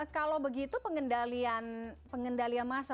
kalau begitu pengendalian masa